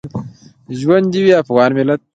ژوندی دې وي افغان ملت؟